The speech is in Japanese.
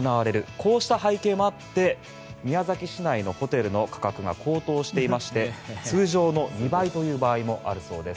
こうした背景もあって宮崎市内のホテルの価格が高騰していまして通常の２倍という場合もあるそうです。